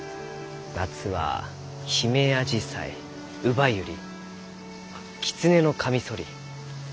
夏はヒメアジサイウバユリキツネノカミソリ。